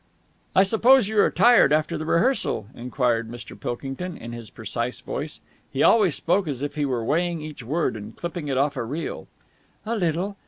"I suppose you are tired after the rehearsal?" enquired Mr. Pilkington in his precise voice. He always spoke as if he were weighing each word and clipping it off a reel. "A little.